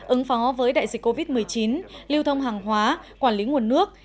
ứng phó với đại dịch covid một mươi chín lưu thông hàng hóa quản lý nguồn nước